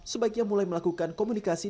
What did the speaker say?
sebaiknya mulai melakukan komunikasi